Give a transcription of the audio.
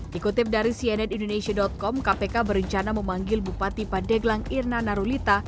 dikutip dari cnn indonesia com kpk berencana memanggil bupati pandeglang irna narulita